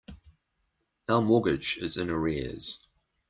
Our mortgage is in arrears.